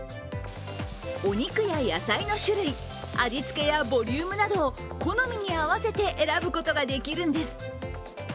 お肉や野菜の種類、味付けやボリュームなど好みに合わせて選ぶことができるんです。